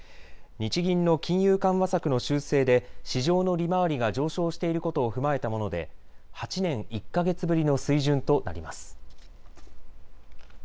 日銀の金融緩和策の修正で市場の利回りが上昇していることを踏まえたもので８年１か月ぶりの水準となります。